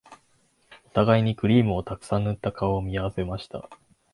お互いにクリームをたくさん塗った顔を見合わせました